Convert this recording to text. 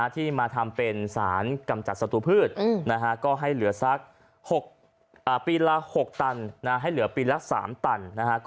ที่มาทำเป็นสารกำจัดสตุพืชนะฮะก็ให้เหลือสักสองตัน